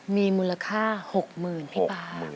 มีมูลค่า๖๐๐๐พี่ป่า